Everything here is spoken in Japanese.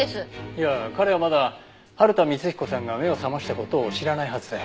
いや彼はまだ春田光彦さんが目を覚ました事を知らないはずだよ。